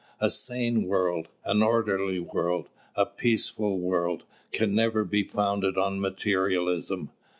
A sane world, an orderly world, a peaceful world, can never be founded on materialism.